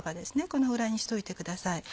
このぐらいにしといてください。